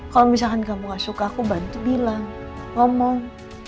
kalau misalkan kamu gak suka aku bantu bilang ngomong